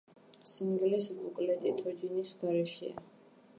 სინგლის ბუკლეტი თოჯინის გარეშეა.